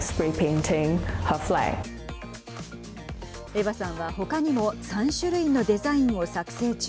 エヴァさんは、ほかにも３種類のデザインを作成中。